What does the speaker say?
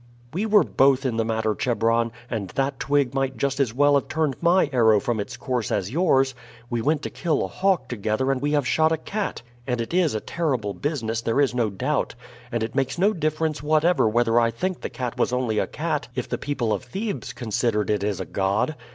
"We were both in the matter, Chebron, and that twig might just as well have turned my arrow from its course as yours. We went to kill a hawk together and we have shot a cat, and it is a terrible business, there is no doubt; and it makes no difference whatever whether I think the cat was only a cat if the people of Thebes considered it is a god.